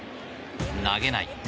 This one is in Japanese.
投げない。